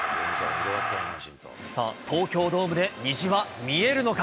さあ、東京ドームで虹は見えるのか。